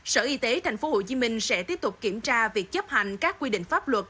sở y tế tp hcm sẽ tiếp tục kiểm tra việc chấp hành các quy định pháp luật